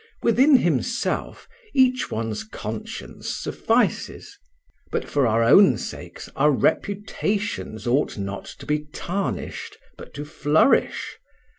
Within himself each one's conscience suffices, but for our own sakes our reputations ought not to be tarnished, but to flourish.